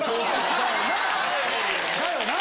・だよな！